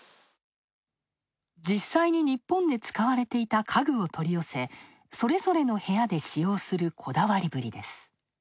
実際に日本で使われていた家具を取り寄せ、それぞれの部屋で使用するこだわりぶりです。